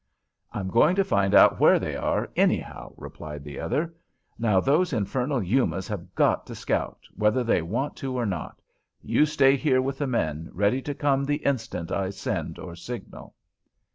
"I'm going to find out where they are, anyhow," replied the other. "Now those infernal Yumas have got to scout, whether they want to or not. You stay here with the men, ready to come the instant I send or signal."